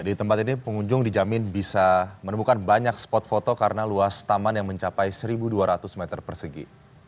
di tempat ini pengunjung dijamin bisa menemukan banyak spot foto karena luas taman yang mencapai satu dua ratus meter persegi